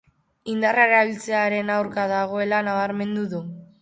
Indarra erabiltzearen aurka dagoela nabarmendu du.